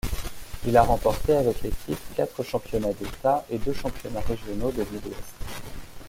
Il a remporté avec l'équipe quatre championnats d'État, et deux championnats régionaux de Midwest.